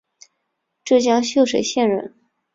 浙江秀水县人。